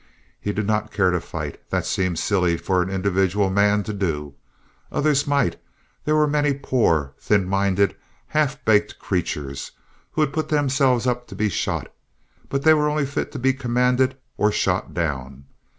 He did not care to fight. That seemed silly for the individual man to do. Others might—there were many poor, thin minded, half baked creatures who would put themselves up to be shot; but they were only fit to be commanded or shot down.